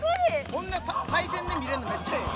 こんな最前で見れんのめっちゃええ！